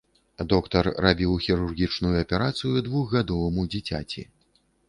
Доктар рабіў хірургічную аперацыю двухгадоваму дзіцяці.